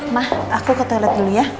mah aku ke toilet dulu ya